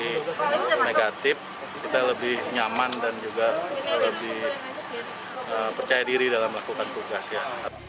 lebih negatif kita lebih nyaman dan juga lebih percaya diri dalam melakukan tugas ya